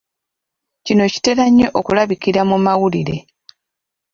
Kino kitera nnyo okulabikira mu mawulire.